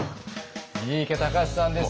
三池崇史さんです。